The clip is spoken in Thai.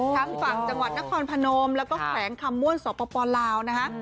ทั้งฝั่งจังหวัดนครพนมแล้วก็แขวงคำม่วนสปลาวนะฮะ